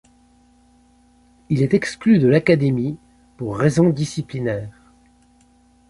Il est exclu de l'académie pour raison disciplinaire.